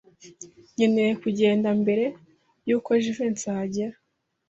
Nkeneye kugenda mbere yuko Jivency ahagera.